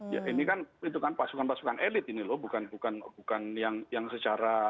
ya ini kan itu kan pasukan pasukan elit ini loh bukan yang secara